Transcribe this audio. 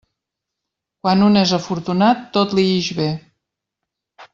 Quan un és afortunat tot li ix bé.